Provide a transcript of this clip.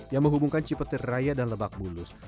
yang menghubungkan cipetir raya dan lebak bulus